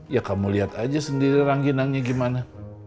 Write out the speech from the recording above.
ya kamu lihat aja sendiri rangginangnya gimana